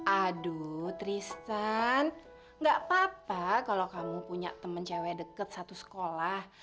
aduh tristen gak apa apa kalau kamu punya temen cewek deket satu sekolah